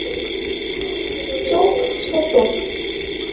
চোখ ছোট।